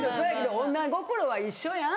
乙女心は一緒やん。